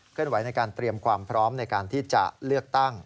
ไหวในการเตรียมความพร้อมในการที่จะเลือกตั้ง